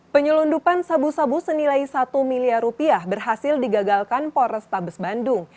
penyelundupan sabu sabu senilai satu miliar rupiah berhasil digagalkan polrestabes bandung